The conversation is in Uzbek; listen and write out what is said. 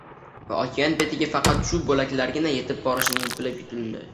va okean betiga faqat shu bo‘laklargina yetib borishini bilib yutindi.